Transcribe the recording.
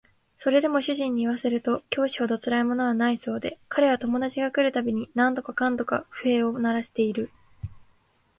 それでも主人に言わせると教師ほどつらいものはないそうで彼は友達が来る度に何とかかんとか不平を鳴らしている